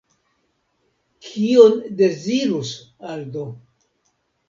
Kion dezirus Aldo?